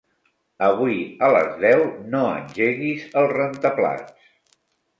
Avui a les deu no engeguis el rentaplats.